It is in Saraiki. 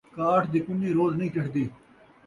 کاٹھ دی کنّی روز نئیں چڑھدی